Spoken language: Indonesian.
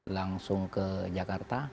langsung ke jakarta